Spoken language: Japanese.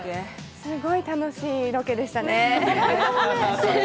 すごい楽しいロケでしたね。